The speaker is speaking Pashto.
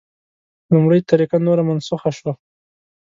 لومړۍ طریقه نوره منسوخه شوه.